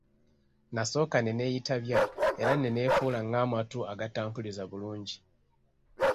Nasooka ne neeyitabya era ne neefuula ng'amatu agatampulizza bulungi.